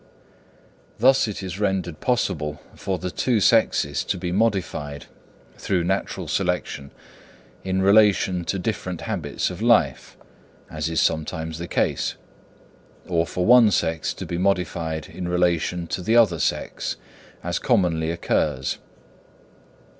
Thus it is rendered possible for the two sexes to be modified through natural selection in relation to different habits of life, as is sometimes the case; or for one sex to be modified in relation to the other sex, as commonly occurs.